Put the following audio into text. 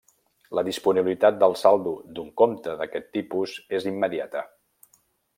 La disponibilitat del saldo d'un compte d'aquest tipus és immediata.